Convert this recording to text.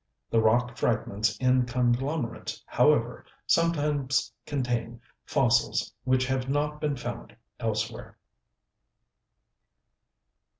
The rock fragments in conglomerates, however, sometimes contain fossils which have not been found elsewhere.